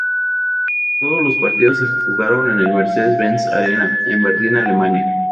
Todos los partidos se jugaron en el Mercedes-Benz Arena, en Berlín, Alemania.